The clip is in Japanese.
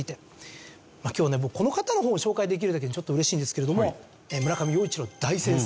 今日ね僕この方の本を紹介できるだけでちょっと嬉しいんですけれども村上陽一郎大先生。